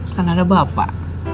kan ada bapak